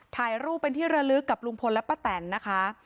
ถ่ายรูปเป็นที่ระลึกกับลุงพลและป้าแตนนะคะ